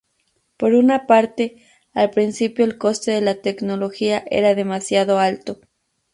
Por una parte, al principio el coste de la tecnología era demasiado alto.